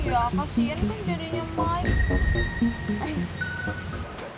ya kasihan kan jadinya mike